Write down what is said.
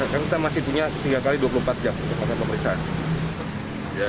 kan kita masih punya tiga x dua puluh empat jam untuk pemeriksaan